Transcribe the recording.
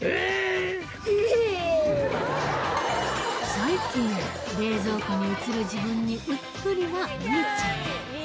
最近冷蔵庫に映る自分にうっとりなうみちゃん